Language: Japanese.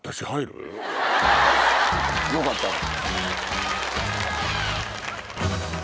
よかったら。